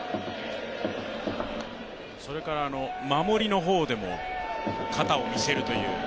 守りの方でも肩を見せるという。